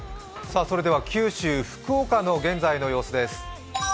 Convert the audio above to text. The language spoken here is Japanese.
九州・福岡の現在の様子です。